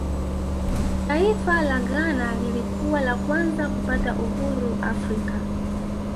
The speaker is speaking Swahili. taifa la ghana lilikuwa la kwanza kupata uhuru afrika